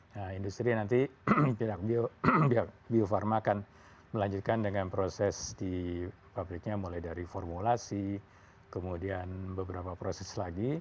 nah industri nanti bio farma akan melanjutkan dengan proses di publiknya mulai dari formulasi kemudian beberapa proses lagi